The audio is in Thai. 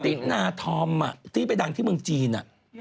ตินาธอมที่ไปดังที่เมืองจีน